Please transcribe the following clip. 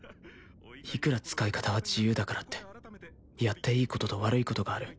いくら使い方は自由だからってやっていいことと悪いことがある